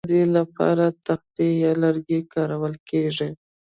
د دې لپاره تختې یا لرګي کارول کیږي